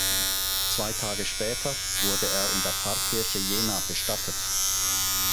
Zwei Tage später wurde er in der Pfarrkirche Jena bestattet.